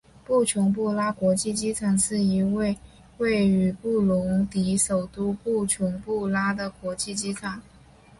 布琼布拉国际机场是一位位于布隆迪首都布琼布拉的国际机场。